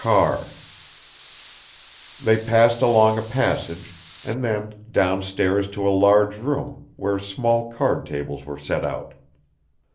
CARR" They passed along a passage, and then down stairs to a large room, where small card tables were set out.